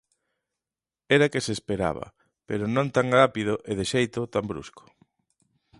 Era que se esperaba, pero non tan rápido e de xeito tan brusco.